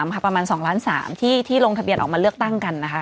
ประมาณ๒ล้าน๓ที่ลงทะเบียนออกมาเลือกตั้งกันนะคะ